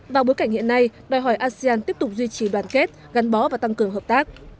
vào bối cảnh hiện nay đòi hỏi asean tiếp tục duy trì đoàn kết gắn bó và tăng cường hợp tác